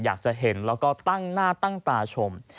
อยากจะเห็นแล้วก็ตั้งหน้าตั้งตาชม